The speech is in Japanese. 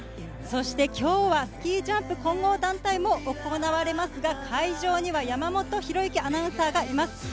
そして今日はスキージャンプ混合団体も行われますが、会場には山本紘之アナウンサーがいます。